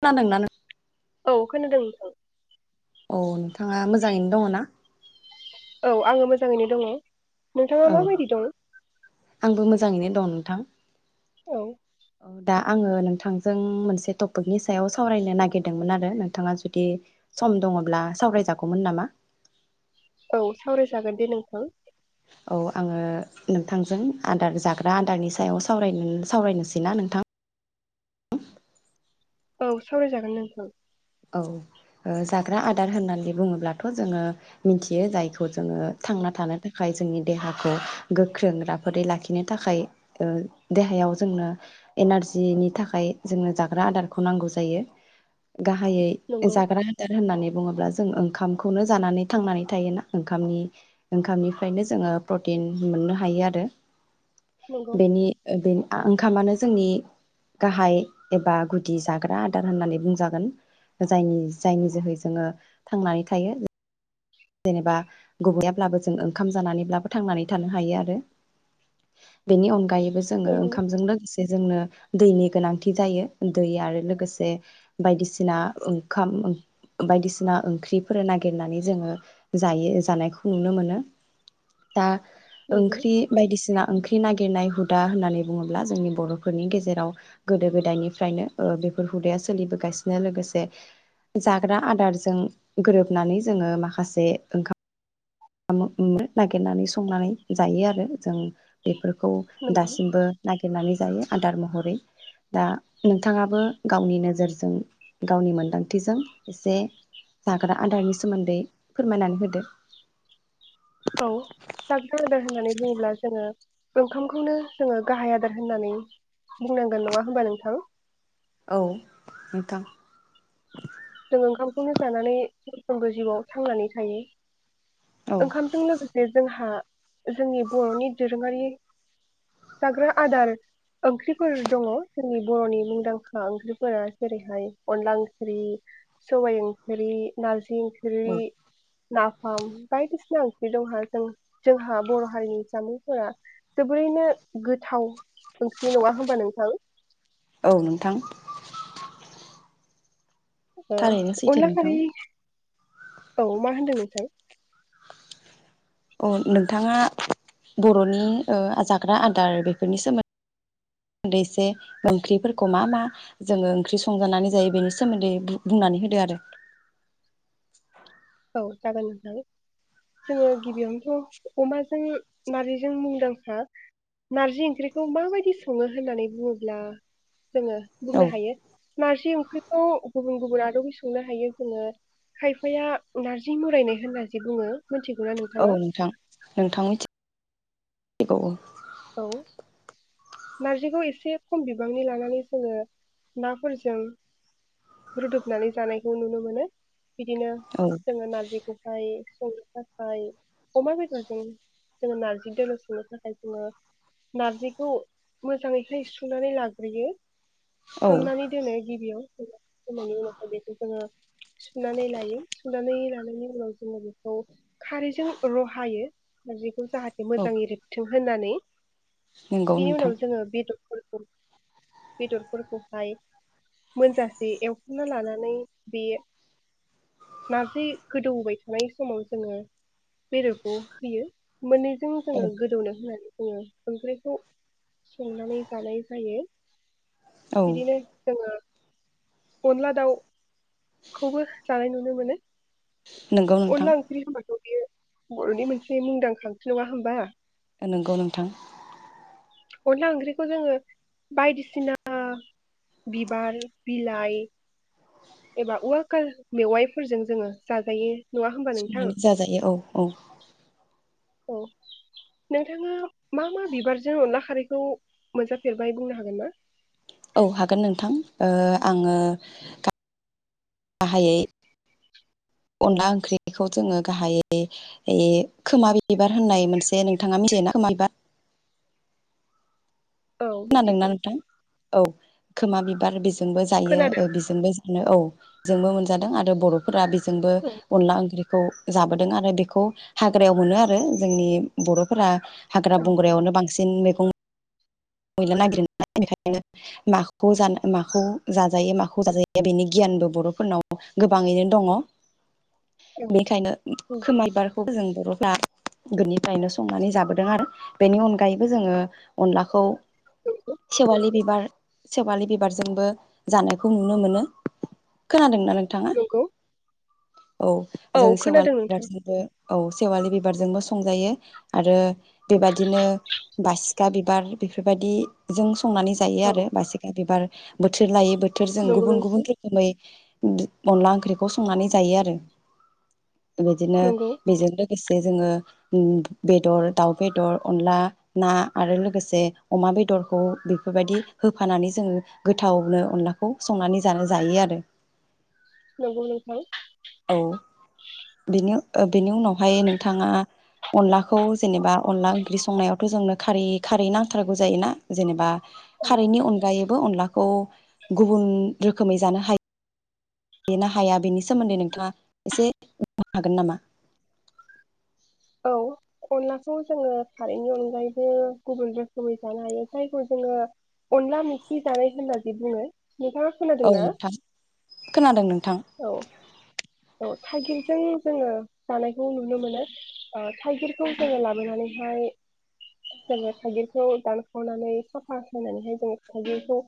खोनादोंना नों? औ खोनादों नोंथां। औ नोंथाङा मोजाङैनो दङ ना? औ आङो मोजाङैनो दङ। नोंथाङा माबायदि दं? जाङैनो दं नोंथां। औ औ दा। आङो नोंथांजों मोनसे टपिकनि सायाव सावरायनो नागिरदोंमोन आरो नोंथाङा जुदि सम दङ'ब्ला सावरायजागौमोन नामा? औ सावरायजागोन दे नोंथां। औ आङो नोंथांजों आदार जाग्रा आदारनि सायाव सावरायगोन सावरायनोसैना नोंथां। औ सावरायजागोन नोंथां। औ ओ जाग्रा आदार होननानै बुङोब्लाथ जोङो मिथियो जायखौ जोङो थांना थानो थाखाय जोंनि देहाखौ गोख्रों राफोदै लाखिनो थाखाय ओ देहायाव जोंनो एनारजिनि थाखाय जोंनो जाग्रा आदारखौ नांगौ जायो। गाहायै नंगौ जाग्रा आदार होननानै बुङोब्ला जों ओंखामखौनो जानानै थांनानै थायोना ओंखामनि ओंखामनिफ्रायनो जोङो प्रटिन मोननो हायो आरो। नंगौ बेनि बे ओंखामानो जोंनि गाहाय एबा गुदि जाग्रा आदार होननानै बुंजागोन। जायनि जायनि जोहै जोङो थांनानै थायो। जेनेबा [unintelligible] जों ओंखाम जानानैब्लाबो थांनानै थानो हायो आरो बेनि अनगायैबो जोङो नंगौ ओंखामजों लोगोसे जोंनो दैनि गोनांथि जायो दै आरो लोगोसे बायदिसिना ओंखाम बायदिसिना ओंख्रिफोर नागिरनानै जोङो जायो जानायखौ नुनो मोनो। दा नंगौ ओंख्रि बायदिसिना ओं ख्रि नागिरनाय हुदा होननानै बुङोब्ला जोंनि बर'फोरनि गेजेराव गोदो गोदायनिफ्रायनो ओ बेफोर हुदाया सोलिबोगासिनो लोगोसे जाग्रा आदारजों गोरोबनानै जोङो माखासे ओंखाम नागिरनानै संनानै जायो आरो जों बेफोर खौ नंगौ दासिमबो नागिरनानै जायो आदार महर [unintelligible] दा नोंथाङाबो गावनि नोजोरजों गावनि मोनदांथिजों एसे जाग्रा आदारनि सोमोन्दै फोरमायनानै होदो। औ जाग्रा आदार होननानै बुङोब्ला जोङो ओंखामखौनो जोङो गाहाय आदार होननानै बुंनांगोन नङा होमबा नोंथां? औ नोंथां जों ओंखामखौनो जानानै सामफ्रोमबो जिउआव थांनानै थायो। औ ओंखामजों लोगोसे जोंहा जोंनि बर'नि दोरोङारि जाग्रा आदार ओंख्रिफोर दङ जोंनि बर'नि मुंदांखा ओंख्रिफोरा जेरैहाय अनला ओंख्रि सबाइ ओंख्रि, नार जि ओंख्रि औ नाफाम बायदिसिना ओंख्रि दंहा जों जोंहा बर' हारिनि जामुंफोरा जोबोरैनो गोथाव ओंख्रि नङा होमबा नोंथां? औ नोंथां औ थारैनो सैथो अनला नोंथां खारि औ मा होनदों नोंथां? अ नोंथाङा बर'नि ओ जाग्रा आदार बेफोरनि सोमोन्दै एसे ओंख्रिफोरखौ मा मा जोङो ओंख्रि संजानानै जायो बेनि सोमोन्दै बुंनानै होदो आरो। औ जागोन नोंथां जोङो गिबियावनोथ' अमाजों नार्जिजों मुंदांखा नारजि ओंख्रिखौ माबायदि सङो होननानै बुङोब्ला जोङो औ बुंनो हायो नारजि ओंख्रि खौ गुबुन गुबुन आदबै संनो हायो जोङो खायफाया नार्जि मरायनाय होनना जे बुङो मिथिगौना औ नोंथाङा नोंथां नोंथां मिथि [unintelligible] औ नारजिखौ एसे खम बिबांनि लानानै जोङो नाफोरजों रुदबनानै जानायखौ नुनो मोनो। बिदिनो औ जोङो नारजिखौहाय संनो थाखाय अमा बेदरजों जोङो नार्जि दोलो संनो थाखाय जोङो नारजिखौ मोजाङैहाय सुनानै लाग्रोयो। औ सोमनानै दोनो गिबियाव [unintelligible] उनावहाय बेखौ जोङो सुनानै लायो सुनानै लानायनि उनाव जोङो बेखौ खारैजों रहायो आरो जाहाथे औ मोजाङै रेबथों होननानै नंगौ बेनि नोंथां उनाव जोङो बेदर बेदरफोरखौहाय मोनजासे एवखांना लानानै बे नारजि गोदौबाय थानाय समाव जोङो बेदरखौ होयो। मोननैजों औ जोङो गोदौनो होनानै उम। ओंख्रिखौ संनानै जानाय जायो। औ बिदिनो जोङो अनला दाउखौबो जानाय नुनो मोनो। नंगौ नोंथां। अनला ओंख्रि होनबाथ' बेयो बर'नि मोनसे मुंदांखा ओंख्रि नङा होमबा? नंगौ नोंथां। अनला ओंख्रिखौ जोङो बायदिसिना बिबार बिलाइ एबा उवाकाल मेवाइफोरजों जोङो जाजायो। नङा होमबा नोंथां संनानै जाजायो औ औ। औ नोंथाङा मा मा बिबारजों अनला खारैखौ मोनजाफेरबाय बुंनो हागोन ना? औ हागोन नोंथां ओ आङो गाहाइयै अनला ओंख्रिखौ जोङो गाहाइयै यै खोमा बिबार होननाय मोनसे नोंथाङा मिथियो ना खोमा बिबार? औ खोनादोंना मिथिगौ नोंथां? औ। खोमा बिबार बेजों बो जायो खोनादों बेजोंबो जानो औ। जोंबो मोनजादों आरो बर' फोरा बेजोंबो औ अनला ओंख्रि खौ जाबोदों आरो बेखौ हाग्रायाव मोनो आरो जोंनि बर'फोरा हाग्रा औ बंग्रायावनो बांसिन मैगं मैला नागिरो नालाय बेखायनो माखौ जानो, माखौ जाजायो, माखौ जाजाया बेनि गियानबो बर'फोरनाव गोबाङैनो दङ। औ बेनिखायनो औ खोमा बिबार खौ जों बर'फ्रा गोदोनिफ्रायनो संनानै जाबोदों आरो बेनि अनगायैबो जोङो अनलाखौ सेेवालि बिबार सेवालि बिबारजोंबो जानायखौ नुनो मोनो, खोनादों ना नोंथाङा? नंगौ औ औ जों खोनादों नोंथां [unintelligible] औ सेवालि बिबारजोंबो संजायो आरो बेबायदिनो बासिखा बिबार बेफोर बेबायदि जों [unintelligible] संनानै जायो औ आरो बासिखाय बिबार बोथोर लायो [unintelligible] बोथोरजों नंगौ गुबुन गुबुन नोंथां रोखोमै ओ अनला ओंख्रिखौ संनानै जायो आरो। बिदिनो नंगौ बेजों लोगोसे जे जोङो बेदर, दाउ बेदर, अनला ना आरो लोगोसे अमा बेदरखौ बेफोरबायदि होफानानै जोङो गोथावनो अनलाखौ संनानै जानो जायोआरो। नोंगौ नोंथां। बेनि बेनि उनावहाय नोंथाङा अनलाखौ जेनेबा अनला ओंख्रि संनायावथ' जोंनो खारै खारै [unintelligible] [unintelligible] थारगौ जायोना जेनेबा खारैनि अनगायै [unintelligible] अनलाखौ गुबुन रोखोमै जानो हायो। बेनो हाया बेनि सोमोन्दै नोंथाङा एसे बुंनो हागोन नामा? औ अनलाखौ जोङो खारैनि अनगायैबो गुबुन रोखोमै जानो हायो जायखौ जोङो अनला मैखि जानाय होनना बुङो। नोंथाङा औ खोनादोंना नोंथां खोनादों नोंथां। औ औ। थाइगिरजों जोङो जानायखौ नुनो मोनो थाइगिरखौ जोङो लाबोनानैहाय जोङो थाइगिरखौ दानखावनानै साफा सायनानैहाय जोङो थाइगिरखौ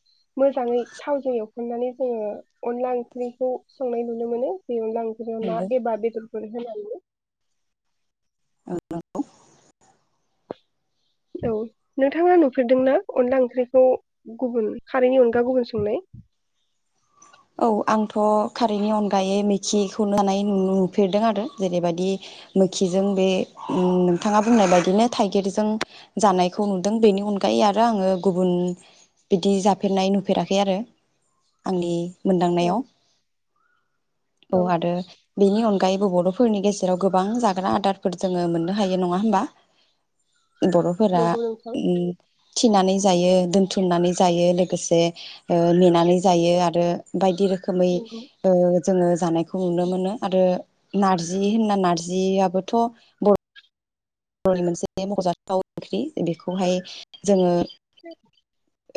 मोजाङै थावजों एवखननानै जोङो अनला ओंख्रिखौ संनाय नुनो मोनो बे अनला [unintelligible] बादि ना नंगौ एबा बेदर [unintelligible] होनानै। [unintelligible] औ नोंथाङा नुफेरदों ना अनला ओंख्रिखौ गुबुन खारैनि अनगा गुबुन संनाय? औ आंथ' खारैनि अनगायै मैखिखौ जानाय नुफेरदों आरो जेरैबायाददि मैखिजों बे नोंथाङा बुंनाय बायदिनो थाइगिरजों जानायखौ नुदों बेनि अनगायै आरो आङो गुबुन बिदि जाफेरनाय नुफेराखै आरो आंनि औ मोनदांनायाव। औ आरो बेनि अनगायैबो बर'फोरनि गेजेराव गोबां जाग्रा आदारफोर जोङो मोननो हायो नङा होमबा? बर'फोरा नंगौ नोंथां [unintelligible] फिनानै जायो दोनथुमनानै जायो लोगोसे नेनानै जायो आरो बायदि [unintelligible] रोखोमै नंगौ। ओ जोङो जानायखौ नुनोमोनो आरो नारजि होनना नारजिआबोथ' बर'नि मोनसे मख'जाथाव ओंख्रि औ बेखौहाय जोङो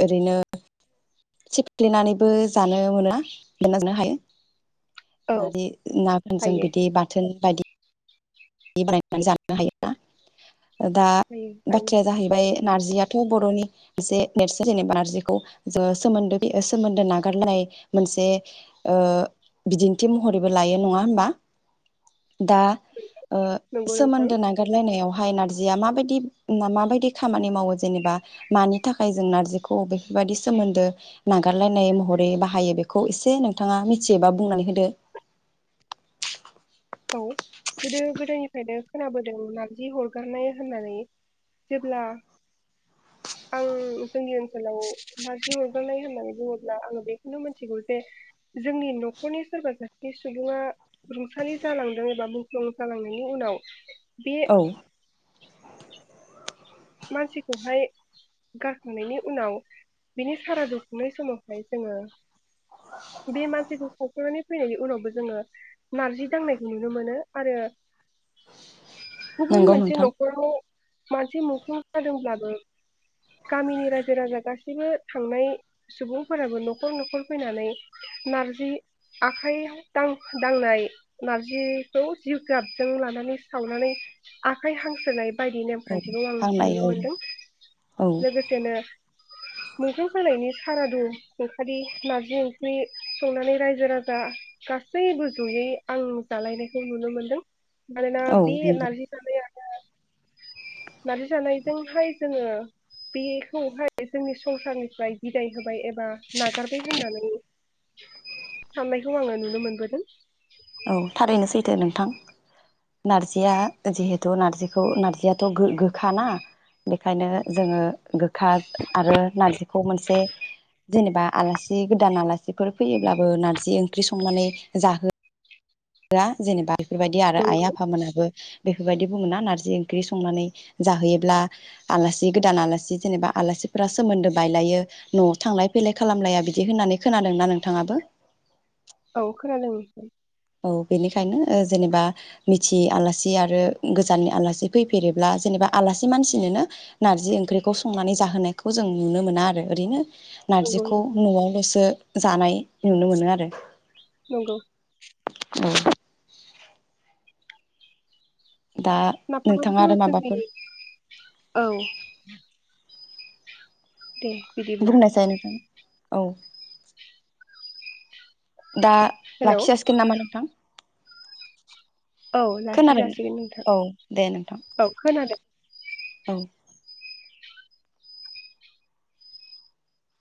ओरैनो सिफ्लिनानैबो जानो [unintelligible] मोना लाजानो हायो। औ नारजि नाफोरजों हायो बिदि बाथोन- बायदि बानायनानै जानोनो हायो ना? दा हायो हायो बाथ्राया जाहैबाय नार्जियाथ' बर'नि मोनसे नेरसोन जेनेबा नारजिखौ जोो सोमोन्दो सोमोन्दो नागारनाय मोनसे ओ बिदिन्थि महरैबो लायो नङा होमब? दा- ओ नंगौ नोंथां सोमोन्दो नागारलायनायाव बाहाय नारजिया माबायदि माबायदि खामानि मावो जेनेबा मानि थाखाय जों नारजिखौ बेफोरबायदि सोमोन्दो नागारलायनाय महरै बाहायो बेखौ एसे नोंथाङा मिथियोबा बुंनानै होदो औ गोदो गोदोनिफ्रायनो खोनाबोदों नारजि अरगारनाय होननानै जेब्ला आं जोंनि ओनसोलाव नारजि हरगारनाय होननानै बुङोब्ला आङो बेखौनो मिथिगौ जे जोंनि न'खरनि सोरबा सासे सुबुङा रुंसारि जालांदों एबा मुंख्लं जालांनायनि उनाव बे औ मानसिखौहाय गारखांनायनि उनाव बिनि साराद दुखांनाय समावहाय जोङो बे मानसिखौ सावखांनानै फैनायनि उनावबो जोङो नारजि दांनायखौ नुनो मोनो आरो गुबुन नंगौ मोनसे नोंथां न'खराव माजि [inaudible] जादोंब्लाबो गामिनि रायजो राजा गासैबो थांनाय सुबुंफोराबो न'खर न'खर फैनानै नारजि आखाइ दांनाय नारजिखौ जिगाबजों लानानै सावनानै आखाइ हांनाय बायदि औ नेमखान्थिखौ आं- आंनाय नुनो औ मोनदों औ लोगोसेनो [unintelligible] सारादु खुंखालि नार्जि ओंख्रि संनानै रायजो राजा गासैबो जयै आं जालायनायखौ नुनो मोनदों। मानोना औ बे नंगौ नारजि जानाया नारजि जानायजोंहाय जोङो बेखौहाय जोंनि संसारनिफ्राय बिदाय होबाय एबा नागारबाय होननानै साननायखौ आङो नुनो मोनबोदों। दे नोंथां नारजिया जिहेथु नारजिखौ नार्जियाथ' गोखा ना बेखायनो जोङो गोखा आरो नारजिखौ मोनसे जेनेबा आलासि गोदान आलासिफोर फैयोब्लाबो नार्जि ओंख्रि संनानै जाहो होआ जेनेबा बेफोरबायदि आरो आइ नंगौ आफामोनहाबो बेफोरबायदि बुङोना नारजि ओंख्रि संनानै जाहोयोब्ला आलासि गोदान आलासि जेनेबा आलासिफोरा सोमोन्दो बायलायो न'आव थांलाय फैलाय खालामलाया बिदि होननानै खोनादोंना नोंथाङाबो? औ खोनादों नोंथां। औ बेनिखायनो जेनेबा मिथियै आलासि आरो गोजाननि आलासि फैफेरोब्ला जेनेबा आलासि मानसिनोनो नारजि ओंख्रिखौ संनानै जाहोनायखौ जों नुनो मोना आरो ओरैनो नंगौ नारजिखौ नोंथां नआवल'सो जानाय नुनो मोनो आरो। नंगौ औ दा नोंथाङा आरो नाफामाबोथ' जोंनि माबाफोर औ दे बिदिब्ला बुंनायसाय नोंथां औ दा हेलौ लाखि जासिगोन नामा नोंथां। औ लाखि खोनादों जासिगोन नोंथां औ दे नोंथां औ खोनादों। औ